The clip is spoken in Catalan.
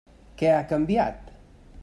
Què ha canviat?